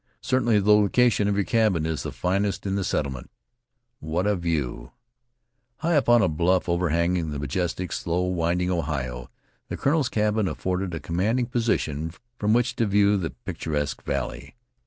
Certainly the location for your cabin is the finest in the settlement. What a view!" High upon a bluff overhanging the majestic, slow winding Ohio, the colonel's cabin afforded a commanding position from which to view the picturesque valley.